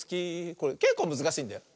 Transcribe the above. これけっこうむずかしいんだよ。